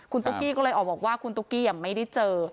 คุณตุ๊กกี้ก็เลยออกบอกว่าคุณตุ๊กกี้ไม่ได้เจอ